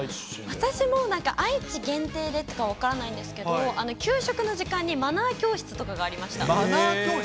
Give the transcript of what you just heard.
私も愛知限定かは分からないですけど、給食の時間にマナー教室とかがありました。